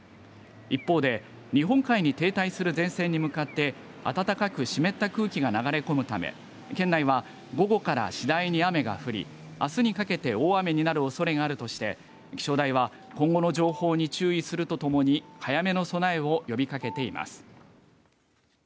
一方で日本海に停滞する前線に向かって暖かく湿った空気が流れ込むため県内は、午後から次第に雨が降りあすにかけて大雨になるおそれがあるとして気象台は今後の情報に注意するとともに早めの備えを呼びかけています。